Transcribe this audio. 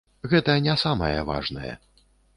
Гэта не самае важнае.